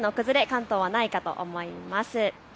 関東はないかと思います。